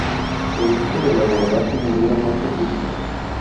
Producto del abordaje murieron ocho turcos.